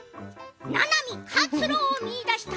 ななみ、活路を見いだした。